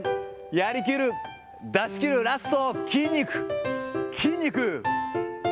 やりきる、出しきる、ラスト筋肉、筋肉。